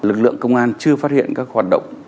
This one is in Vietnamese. lực lượng công an chưa phát hiện các hoạt động